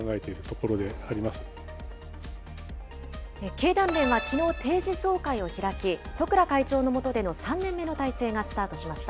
経団連はきのう、定時総会を開き、十倉会長の下での３年目の体制がスタートしました。